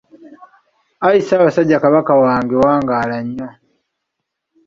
Ayi Ssaabasajja Kabaka wange wangaala nnyo.